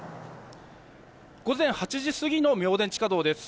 午前８時過ぎの明田地下道です。